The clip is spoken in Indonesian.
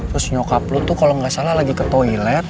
terus nyokap lo tuh kalo gak salah lagi ke toilet